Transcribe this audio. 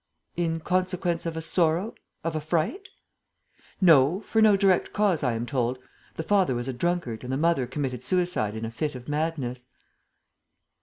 "In consequence of a sorrow, of a fright?" "No, for no direct cause, I am told. The father was a drunkard and the mother committed suicide in a fit of madness."